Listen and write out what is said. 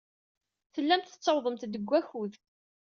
Tellamt tettawḍemt-d deg wakud.